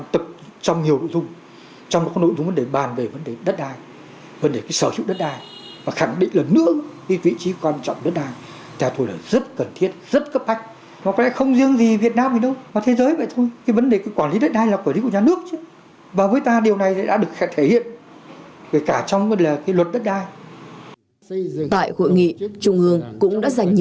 tại hội nghị trung ương cũng đã dành nhiều thông tin